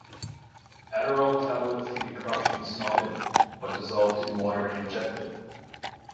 Adderall tablets can be crushed and snorted, or dissolved in water and injected.